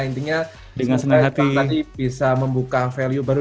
intinya semoga kita bisa membuka value baru